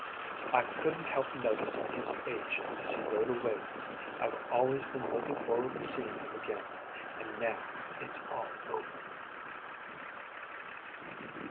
I couldn't help noticin' his age as he rode away. I've always been lookin' forward to seein' him again, an' now it's all over."